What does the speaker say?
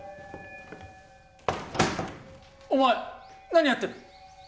お前何やってる！？